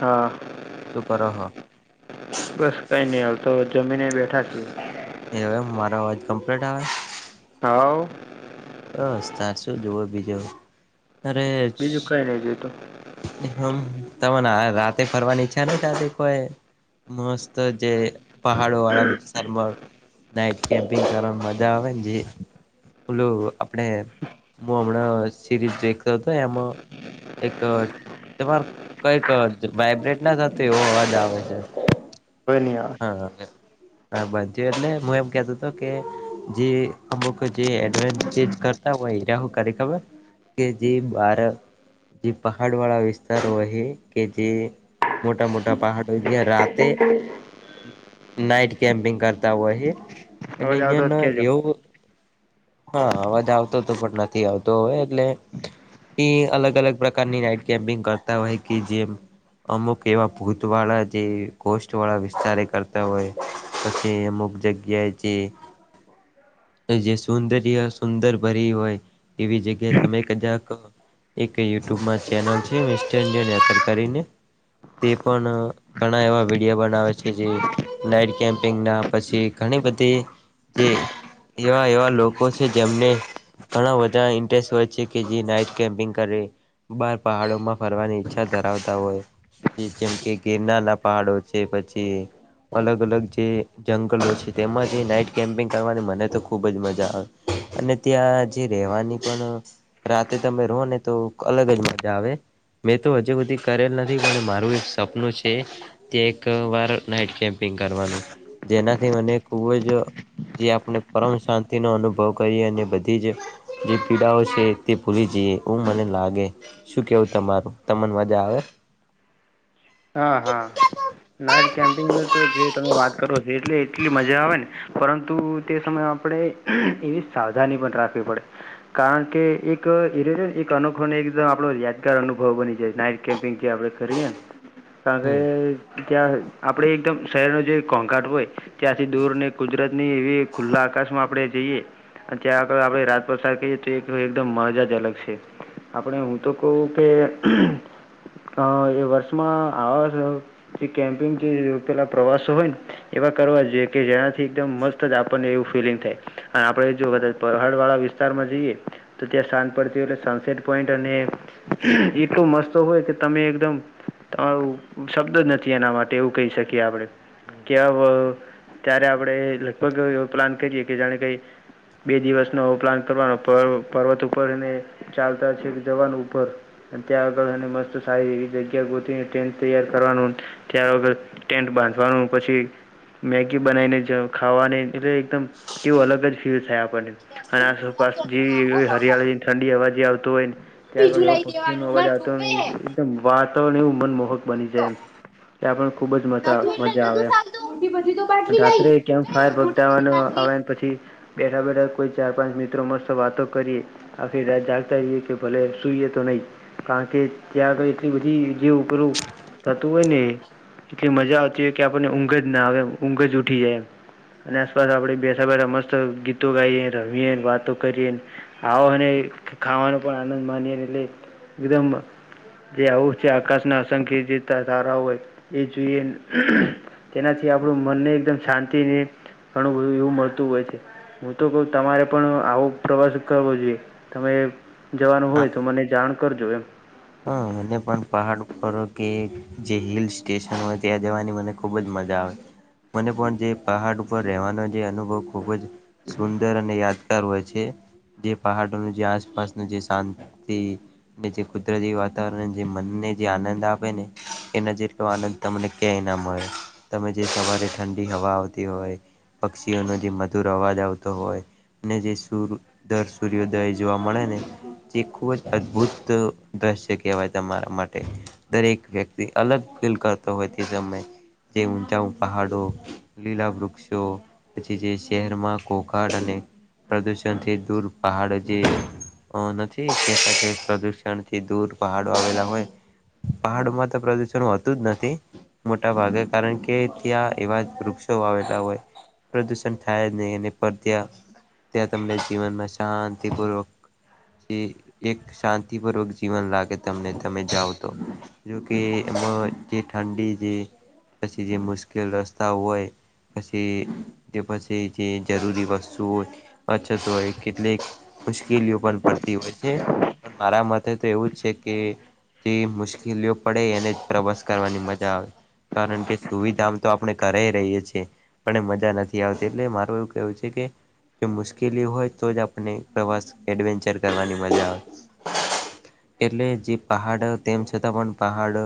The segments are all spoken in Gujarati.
હા. શું કરો હો બસ કઈ નહી હાલ તો જમીને બેઠા છી. એ હવે મારો અવાજ કમ્પ્લીટ આવે હાવ બસ તાર સુું જુવો બીજો અરે બીજું કઈ નઈ જોયતું હમ તને રાતે ફરવાની ઈચ્છા નઈ થતી કોઈ મસ્ત જે પહાડો વાળા વિસ્તારમાં નાઈટ કેંપિંગ કરવા મજા આવે જે ઓલું આપણે હું હમણા [unintelligible] તમાર કઈક વાઈબ્રેટ ના થતું એવો અવાજ આવે છે. હવે ની આવે [unintelligible] હા બંધું એટલે હું એમ કેતો હતો કે જે અમુક જે [unintelligible] કરતા હોય ત્યાં હું કરે ખબર કે જે બાર જે પહાડ વાળા વિસ્તાર હોય એ કે જે મોટા મોટા પહાડ હોય જયા રાતે નાઈટ કેમ્પિંગ કરતા હોય એ અને અવાજ આવતો હોય અહિયાં તો કેજો એવું હા અવાજ આવતો તો પણ નથી આવતો હવે એટલે ની અલગ અલગ પ્રકારની નાઈટ કેમ્પિંગ કરતા હોય કે જેમ અમુક એવા ભૂત વાળા જે ગોસ્ટ વાળા વધારે કરતા હોય પછી અમુક જગ્યાએ જે જે સૌદર્ય સુંદર ભરી હોય એવી જગ્યાએ તમે કદાક એક યુટ્યુબમાં ચેનલ છે [unintelligible] કરીને તે પણ ઘણા એવા વિડીયો બનાવે છે. નાઈટ કેમપિંગ ના પછી ઘણી બધી જે એવા એવા લોકો છે જેમને ઘણા બધા ઇન્ટરેસ્ટ હોય છે કે જે નાઈટ કેમ્પિંગ કરે બાર પહાડો માં ફરવાની ઈચ્છા ધરાવતા હોય. જેમ કે ગિરનારના પહાડો છે પછી અલગ અલગ જે જંગલો છે તેમાંથી નાઈટ કેમ્પિંગ કરવાની મને તો ખુબ જ મજા આવે. અને ત્યાં જે રહેેવાની પણ રાતે તમે રહો ને તો અલગ જ મજા આવે. મેં તો હજુ બધી કરેલ નથી પણ મારું એક સપનું છે કે એક વાર નાઈટ કેમ્પિંગ કરવાનું જેનાથી મને ખુબ જ જે આપણે પરમ શાંતિ નો અનુભવ કરીએ અને બધી જ જે પીડાઓ છે તે ભૂલી જઈએ એવું મને લાગે શું કેવું તમારું તમને મજા આવે હા હા નાઈટ કેમ્પિંગ તો જે તમે વાત કરો છો એટલે એટલી મજા આવે ને પરંતુ તે સમયે આપણે એવી સાવધાની પણ રાખવી પડે. કારણ કે એક એને એક અનોખો એકદમ આપડો યાદગાર અનુભવ બની જાય નાઈટ કેમ્પિંગ જે આપડે કરીએ ને હમ કારણ કે ત્યાં આપડે એકદમ શહેરનો જે ઘોંઘાટ હોય ત્યાંથી દૂર ને ગુજરાત ની એવી ખુલ્લા આકાશમાં આપણે જઈએ અને ત્યાં આગળ આપડે રાત પસાર કરીએ તો એકદમ મજા જ અલગ છે. આપણે હું તો કહું કે એ વર્ષમાં આવા જે કેમ્પિંગ જે પેલા પ્રવાસો હોય ને એવા કરવા જોઈએ કે જેનાથી એકદમ મસ્ત જ આપણને એવું ફિલિંગ થાય અને આપડે જો પહાડ વાળા વિસ્તારમાં જઈએ તો ત્યાં સાંજ પડતી હોય એટલે સનસેટ પોઈન્ટ અને એટલું મસ્ત હોય કે તમે એકદમ તમારું શબ્દ જ નથી. એના માટે એવું કહી શકીએ આપડણે કે ત્યારે આપણે લગભગ પ્લાન કરીએ કે જાણે કઈ બે દિવસનો અ ઉપલાન કરવાનો પ પર્વત ઉપરને. ચાલતા છે એક જવાન ઉપર ત્યાં આગળ મસ્ત સારી એવી જગ્યા ગોતીને ટે તૈયાર કરવાનું. ત્યાર વગર ટેન્ટ બાંધવાનું પછી મેગી બનાવીને જ ખાવાની એટલે એકદમ એવું અલગ જ ફીલ થાય આપણને. અને આસપાસ જે હરિયાળી ઠંડી હવા જે આવત હોયને ત્યાં બીજું આગળ એવો લઈ પક્ષીઓ નો દેવાનું અવાજ માર આવતો જોવે હે એકદમ વાતાવરણ એવું મનમોહક બની જાય નતું એમ. ત્યાં પણ ખુબ જ મા એટલે મજા નતું આવે ચાલતું મોટી બધી તો બાટલી લાઈ રાત્રે કેમ ફાયર મોટી બધી પગડાવવાનો બાટલી આવે. પછી બેઠા બેઠા કોઈ ચાર પાંચ મિત્રો મળસ્તો વાતો કરીએ આખ રાત જાગતા જઈએ કે. ભલે સૂઈએ તો નહીં કારણ કે. ત્યાં આગળ એટલી બધી જેવું કરરું થતું હોય ને. એટલી મજા આવતી હોય કે આપણને ઊંઘ જ ના આવે ઊંઘ જ ઉઠી જાય અને આસપાસ આપે બે. સવારે મસ્ત ગીતો ગાાઈએ ર હએ વાતો કરીએ. આવો અને ખાવાનો પણ આનંદ માની એટલે એકદમ. જે આવું છે આકાશ ના સંખી જીતા તારા હોય. એ જોઈએ તેનાથી આપણું મનને એકદમ શાંતિને. ઘણું બધું એવું મળતું હોય છે. હું તો કહ તમારે પણ આવો પ્રવાસ કરવો જોઈએ તમે જવાનું હોય તો મને જાણ. કરર જો એમ. હ મને પણ પહાડ ઉપ કે જે હિલ સ્ટેશન હોય ત્યાં જવાની મને ખૂબ જ મજા આવે. મને પણ જે પહાડ ઉપર રહેવાનો જે અનુભવ ખુબ જ. સુંદર અને યાદગાર હોય છે. જે પહાડોનું જે આસપાસનું જે શાંતિ જે. કુદરતી વાતાવરણ જે મનને જે આનંદ આપે ને એનો જેટલો આનંદ તમને ક્યાંય ના મળે. તમે જે સવારે ઠંડી હવા આવતી હોય પક્ષીઓનો જે મધુર અવાજ આવતો હોય. ને જે સર દર સૂર્યોદય જોવા મળે ને તે ખૂબ જ અદભુત. દ્રશ્ય કહેવાય તમારા માટે દરેક વ્યક્તિ. અલગ ફીલ કરતો હોય તે સમય જે હું જાઉં. પહાડો લીલા વૃક્ષો પછી જે શહેરમાં કોકાડ અને. પ્રદૂષણથી દૂર પહાડ જે નથી તે સાથે પ્રદુષણ. દૂર પહાડો આવેલા હોય પહાડમાં તો પ્રદુષણ હોતું જ નથી. મોટા ભાગે કારણ કે ત્યાં એવા વૃક્ષો આવેલા હોય. પ્રદુષણ થાય નહીં અને પરત્યા. ત્યાં તમને જીવનમાં શાંતિપૂર્વક જે એક શાંતિપૂર્વક. જીવન લાગે તમને તમે જાઓ તો જોકે એમાં જે ઠંડી જે. પછી જે મુશ્કેલ રસ્તા હોય. પછી તે પસેી જે જરૂરી વસ્તુઓ. અછ તો હોય કેટલીક મુશ્કેલીઓ પણ પડતી હોય છે પણ મારા મત. તો એવું જ છે કે જે મુશ્કેલીઓ પડે એને જ પ્રવાસ કરવાની મજા આવે. કારણ કે સુવિધા તો આપણે કરાઈ રહીએ છીએ. પણ મજા નથી આવતી એટલે મારું એવું કેવું છે કે. જો મુશ્કેલી હોય તો જ આપને પ્રવાસ એડવેન્ચર કરવાની મજા આવે. એટલે જે પહાડ તેમ છતાં પણ પહાડ.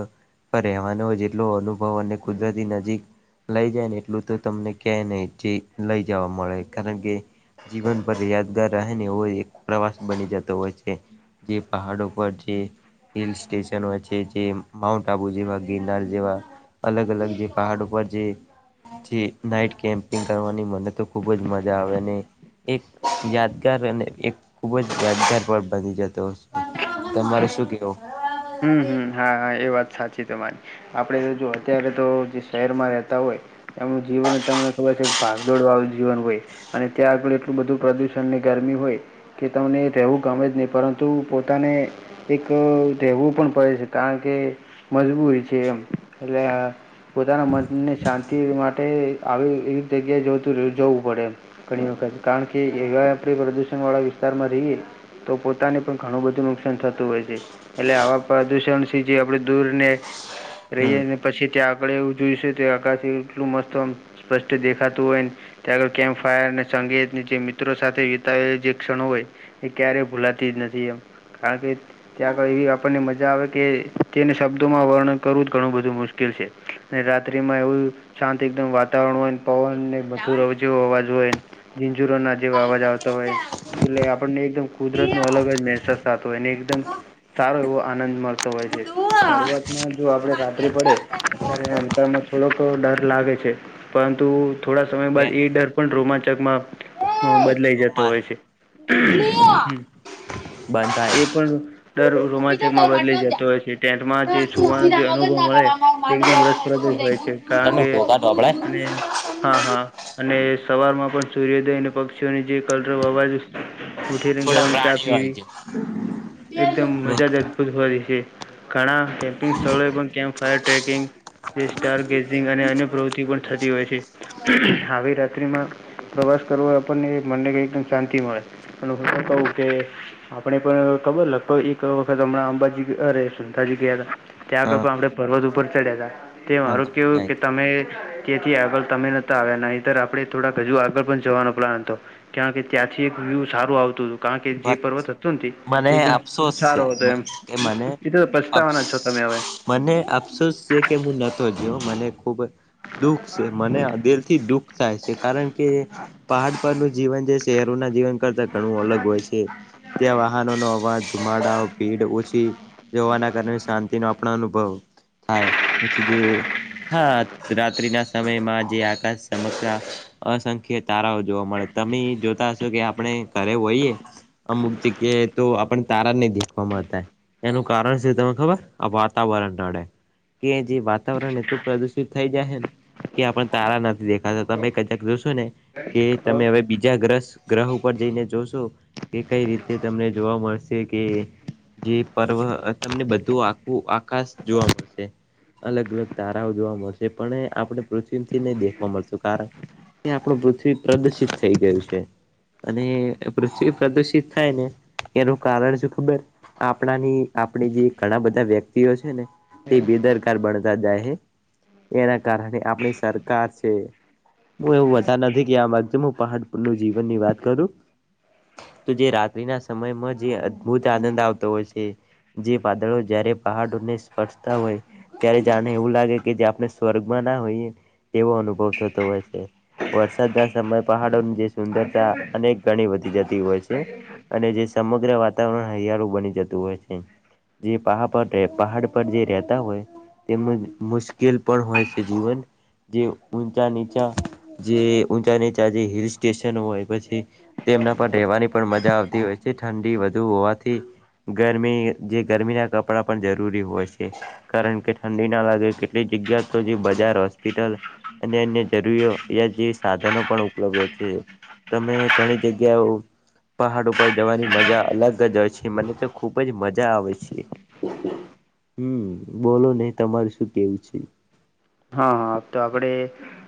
પર રહેવાનો હોય જેટલો અનુભવ અને કુદરતી નજીક. લઈ જાયન એટલું તો તમને ક્યાય નઈ ચે નઈ જવા મળે કારણ કે જીવન પર યાદગાર રહેને એવો એક પ્રવાસ બની જતો હોય છે જે પહાડો. ઉપ જે હિલ સ્ટેશનો છે જે માઉન્ટ આબુ જેવા ગિરનાર જેવા. અલગ અલગ જે પહાડ ઉપર જે. ચે નાઈટ કેમ્પિંગ કરવાની મને તો ખુબ જ મજા આવે અને એક યાદગાર અને એક ખૂબ જ યાદગાર પળ બની જતો હશે. તમારે શું કેવું? હમ, હમ, હા, હા એ વાત સાચી તમારી. આપડે જો અત્યારે તો જે શહેરમાં રેતા હોય એમનું જીવન અતાર મને ખબર છે ક ભાગદોડવાળું જીવન હોય અને ત્યાર પણ એટલું બધું પ્રદૂષણને ગરમી હોય કે તમને રહેવું ગમે જ નઈ પરંતુ પોતાને એક રહેવું પણ પડે છે કારણ કે, મજબૂરી છે એમ. એટલે અ પોતાના મનને શાંતિ માટે આવી એવી જગ્યાએ જતુ રેવુ જવું પડે એમ. ઘણી વખત કારણ કે, એવા આપડે પ્રદુષણ વાળા વિસ્તારમાં રઈએ તો પોતાને પણ ઘણું બધું નુકશાન થતું હોય છે. એટલે આવા પ્રદુષણસીજી આપડે દૂર ને રઈએે હમ્મ. ને પછી ત્યાં આપડે ઉજવીશું તે અગાથી એટલું મસ્ત આમ સ્પષ્ટ દેખાતું હોયન. ત્યારો કેમ ફાયરને, સંગીતની જે મિત્રો સાથે વિતાય જે ક્ષણો હોય એ ક્યારેય ભૂલાતી જ નથી એમ, કારણ કે પહી આપડને મજા આવે કે તેને શબ્દોમાં વર્ણન કરવું જ ઘણું બધું મુશ્કેલ છે. ને રાત્રિમાં એવું શાંત એકદમ વાતાવરણ હોય ન પવન ને બધું રવ જેવો અવાજ હોયન, ઝીઝુરાના જેવા અવાજ આવતા હોય એટલે આપડને એકદમ કુદરતનો અલગ જ નેસાસ થાતો હોય ન એકદમ સારો એવો આનંદ મળતો હોય છે. શરૂઆતમાં જો આપડે રાત્રિ પડે ત્યારે અંતરમાં થોડોક ડર લાગે છે પરંતુ થોડા સમય બાદ એ ડર પણ રોમાંચકમાં અ બદલઈ જતો સોમવારે હોય છે. હમ્મ, બંધાય. એ પણ ડર રોમાંચકમાં બદલઈ જતો હોય છે. ટેન્ટમાં જે સુવાનો જે અનુભવ મળે એકદમ રસપ્રદ જ હોય છે, કારણ તમે કે ઘોઘા ઢોબળે અને હા, હા અને સવારમાં પણ સૂર્યોદય અને પક્ષીઓની જે કલરવ અવાજ ઉઠીને ગરમ ચા પાણી વાય પીવી જે એકદમ મજા જ અદભુત હોય છે, ઘણા કેમ્પિંગ સ્થલે પણ કેમ્પ ફાયર ટ્રેકિંગ કે સ્ટાર ગેઝિંગ અને અન્ય પ્રવૃત્તિ પણ થતી હોય છે. આવી રાત્રિમાં પ્રવાસ કરવો આપણને મનને કઈક શાંતિ મળે. અને હું તો કઉ કે આપડે પણ ખબર લ પર એક વખત હમણા અંબાજી અરે સુંધાજી ગયા હતા, ત્યાં આગળ હા પણ અવડે પર્વત ઉપર ચડ્યા તા. તે મને મારું તો મજા કેવું આઈ કે તમે ત્યથી આગળ તમે નતા આવ્યા, નઈતર આપડે થોડાક હજુ આગળ પણ જવાનો પ્લાન હતો. કારણ કે ત્યાંથી એક વ્યુ સારું આવતું તું, કારણ કે જે વાત પર્વત હતોન તે મને એકદમ અફસોસ છે સારો હતો એમ, કે મને એ તો અફસ પછતાવાના છો તમે હવે. મને અફસોસ છે કે મુ નતો જ્યો મને ખુબ દુઃખ શે, મને દિલથી દુઃખ થાય શે. કારણ કે પહાડ પરનું જીવન જે ચેહરોના જીવન કરતાં ઘણું અલગ હોય છે ત્યાં વાહનોનો અવાજ, ધુમાડાઓ, ભીડ ઓછી જવાના કાર અને શાંતિનો આપડો અનુભવ થાય નથી જે હા, રાત્રિના સમયમાં જે આકાશ સમકક્ષા અસંખ્ય તારાઓ જોવા મળે તમે જોતા હશો કે આપણે ઘરે હોઈએ. અમુક જગ્યાએ તો આપણને તારા નહી દેખવા મળતા. એનું કારણ છે તમે ખબર આ વાતાવરણ નડે કે જે વાત. તાવરણ એ તો પ્રદુષિત થઈ જાય હે ને. કે આપડન તારા નથી દેખાતા, તમે કદાક જોશો ને કે તમે હવે બીજા ગ્રસ ગ્રહ ઉપર જઈને જોશો, તે કઈ રીતે તમને જોવા મળશે કે જે પર્વ અ તમને બધુ આખું આકાશ જોવા મળશે અલગ-અલગ તારાઓ જોવા મળશે, પણ એ આપડે પૃથ્વીમથી નઈ દેખવા મળતું કાર એ આપણું પૃથ્વી પ્રદૂશિત થઈ ગયું છે અને પૃથ્વી. પ્રદુષિત થાય ને એનું કારણ શું ખબર. આપણાની આપણી જે ઘણા બધા વ્યક્તિઓ છે ને તે હ બેદર. બણતા જાય હે એના કારણે આપણી સરકાર છે. હું એવું બધા નથી કે આમાં જેમ હું પહાડ નું જીવન ની વાત કરું. તો જે રાત્રિના સમયમાં જે અદ્ભુત આનંદ આવતો હોય છે. જે વાદળો જયારે પહાડોને સ્પર્શતા હોય. ત્યારે જાણે એવું લાગે કે જે આપણે સ્વર્ગમાં ના હોઈએ. એવો અનુભવ થતો હોય છે વરસાદ ના સમય પહાડોનું જે. સુંદરતા અનેક ગણી વધી જતી હોય છે. અને જે સમગ્ર વાતાવરણ હરિયાળું બની જતું હોય છે. જે પહા પર પહાડ પર જે રહેતા હોય. તેમજ મુશ્કેલ પણ હોય છે જીવન જે ઊંચા નીચા. જે ઊંચા નીચા જે હિલ સ્ટેશન હોય પછી તેમના. રહેવાની પણ મજા આવતી હોય છે ઠંડી વધુ હોવાથી. ગરમી જે ગરમીનાં કપડાં પણ જરૂરી હોય છે કારણ કે ઠંડી ના લાગે કે. જગ્યા તો જે બજાર હોસ્પિટલ. અને અન્ય જરૂરી જે સાધનો પણ ઉપલબ્ધ છે તમે ઘણી જગ્યા. પહાડ ઉપર જવાની મજા અલગ જ હોય છે મને તો ખુબ જ મજા આવે છે. [unintelligible] હમ્મ બોલો ને તમારું શું કેવું છે. હા હા તો આપડે.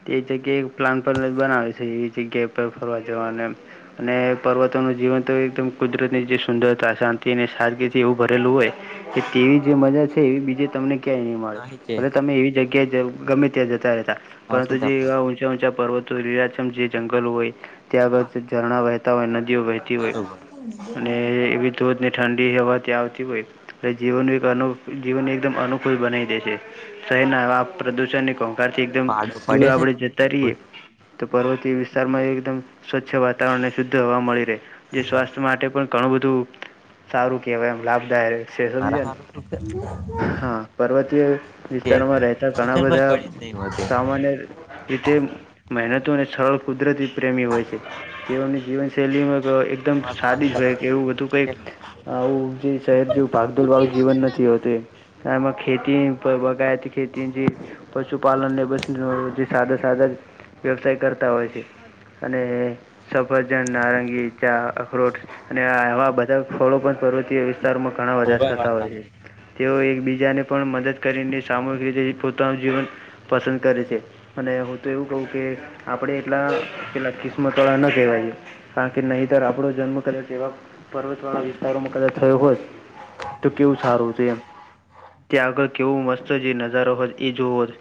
તે જગ્યાએ પ્લાન પણ બનાવે છે એ જગ્યા પર ફરવા જવાનું એમ. અને પર્વતો નું જીવન તો એકદમ કુદરતની જે સુંદરતા શાંતિ અને સાદગીથી એવું ભરેલું હોય. કે તેવી જે મજા છે એવી બીજે તમને. ક્યાંય નહીં મળે નહી છે ભલે તમે એવી જગ્યાએ ગમે ત્યાં જતા રહેતા પરંતુ જેવા. તમારે ઊંચા પર્વતો લીલાચમ જે જંગલ હોય ત્યાંગા ઝરણા વહેતા હોય નદીઓ વહે. તી હોય બરોબર અને એવી ધોધને ઠંડી હવા ત્યાં આવતી હોય અને જીવન એક. જીવન એકદમ અનુકૂળ બનાવી દે છે શહેર ના આવે આપ પ્રદૂષણને કહો. થી એકદમ પાડો દૂર પડ્યો છે આપડે જતા. ને રીએ તો પર્વતીય વિસ્તારમાં એકદમ સ્વચ્છ વાતાવરણને શુદ્ધ હવા મળી રહે. જે સ્વાસ્થ્ય માટે પણ ઘણું બધું સારું કેહવાય એમ લાભદાય રહે. છે સમજ મારા હારું શું ને હા પર્વતીય વિસ્તારોમાં રહે. ઘણા બધા પુટલી સામા. ન્ય રીતે મહેનતું અને સરળ કુદરતી પ્રેમી હોય છે. તેઓની જીવનશૈલીમાં એકદમ સાદી જ હોય કે એવું બધું કઈક. આવું જે શહેર જેવું ભાગદોડ વાળું મગજ જીવન ના નથી ખાય હોતું એમ. હા આમા ખેતી બાગાયતી ખેતી. કે જે પશુપાલન ને જે સાદા સાદા વ્યવસાય કરતા હોય છે. અને સફરજન નારંગી. ચા અખરોટ અને આવા બધા ફળો પણ પર્વતીય વિસ્તારોમાં ઘણા બધા હોવે થતા વાત હોય છે. હાચી. તેઓ એકબીજાને પણ મદદ કરીને સામૂહિક રીતે. જે પોતાનું જીવન પસંદ કરે છે અને હું તો એવું કહું કે. આપડે એટલા પેલા કિસ્મત વાળા ના કહેવાય. કારણ કે નહીતર આપણો જન્મ કદાચ એવા પર્વત વાળા વિસ્તારોમાં કદાચ થયો હોત. તો કેવું સારું હતું એમ ત્યાં આગળ કેવો મસ્ત જે નજારો હોય એ જોવો છે.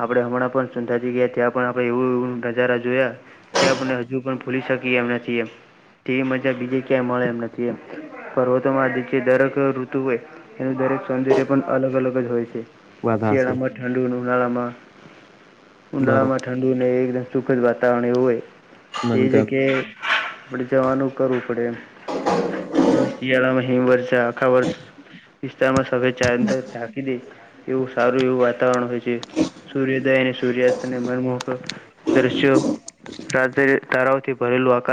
આપડે હમણાં પણ સુંંધાજી ગયા ત્યાં પણ આપડે એવું એવ નજારા જોયા. કે આપને હજુ પણ ભૂલી શકીએ એમ નથી એમ તે મજા બીજે ક્યાંય મળે એમ નથી એમ પર્વતોમાં દરેક ઋતુ હોય એનું દરેક સૌંદર્ય પણ અલગ અલગ જ હોય છે વાત હાચી શલામાં ઠાંડ ઉનાળમાં બરોબર ઉનાળમાંઠં ઠંડુને એકદમ સુખદ વાતાવરણ એું હોય મન તે ગમ જગ્યાએ. આપડ જવાનું કરવું પડે એ શિયાળા મહમ વર. આખા વર્ષ વિસ્તારમાં સ ચંદરાકી દે એવું. સારું એવું વાતાવરણ હોય છે. સૂર્ય્યોદયને સૂર્યાસ્તને મરમખ દર્શું. રાજ ધારવથી ભરેલું આકાશ.